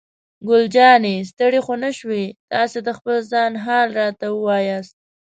ګل جانې: ستړی خو نه شوې؟ تاسې د خپل ځان حال راته ووایاست.